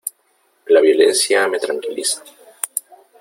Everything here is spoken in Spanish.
La violencia me tranquiliza.